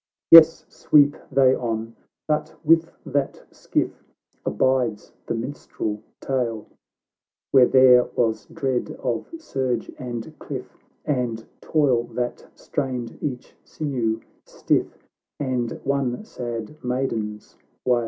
Yes, sweep they on !— But with that skiff Abides the minstrel tale, Where there was dread of surge and cliff, And toil that strained each siuew stiff, And one sad Maiden's wail.